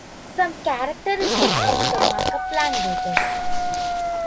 Some characteristics of the markup languages.